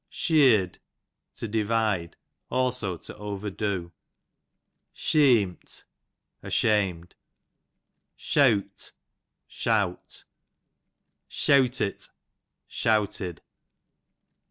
Sheeod, to divide ; also to over do. Sheamt, ashamed. Sheawt, shout. Sheawtit, shouted.